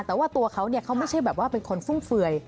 แต่ว่าตัวเขาเนี่ยเขาไม่ใช่แบบว่าเป็นคนฟุ่มเฟือย